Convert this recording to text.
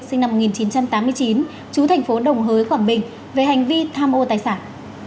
sinh năm một nghìn chín trăm tám mươi chín chú thành phố đồng hới quảng bình về hành vi tham ô tài sản